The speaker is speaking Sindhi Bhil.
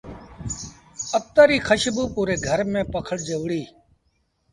اتر ريٚ کُشبو پوري گھر ميݩ پکڙجي وهُڙيٚ۔